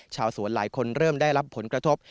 ชาวสวนหลายคนเริ่มได้รับผลกระทบ